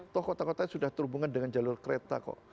toh kota kota sudah terhubung dengan jalur kereta kok